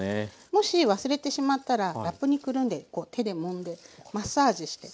もし忘れてしまったらラップにくるんでこう手でもんでマッサージして。